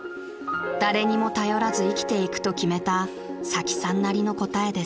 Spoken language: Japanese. ［誰にも頼らず生きていくと決めたサキさんなりの答えです］